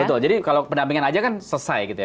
betul jadi kalau penampingan saja kan selesai gitu ya